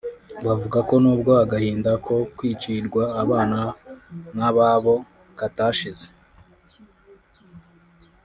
Bavuga ko n’ubwo agahinda ko kwicirwa abana n’ababo katashize